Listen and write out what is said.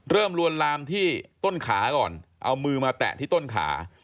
ลวนลามที่ต้นขาก่อนเอามือมาแตะที่ต้นขา